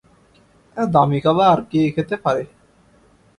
এত দামী খাবার কে খেতে পারে?